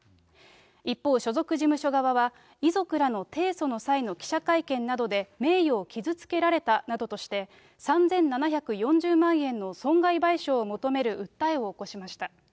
一方、所属事務所側は、遺族らの提訴の際の記者会見などで、名誉を傷つけられたなどとして、３７４０万円の損害賠償を求める訴えを起こしました。